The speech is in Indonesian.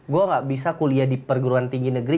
gue gak bisa kuliah di perguruan tinggi negeri